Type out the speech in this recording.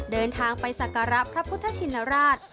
เดินทางไปสักการะพระพุทธชินราช